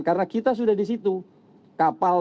karena kita sudah di situ kapal